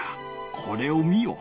これを見よ。